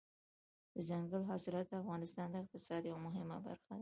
دځنګل حاصلات د افغانستان د اقتصاد یوه مهمه برخه ده.